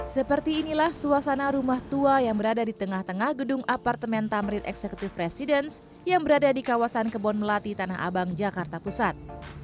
seperti inilah suasana rumah tua yang berada di tengah tengah gedung apartemen tamrin executive residence yang berada di kawasan kebon melati tanah abang jakarta pusat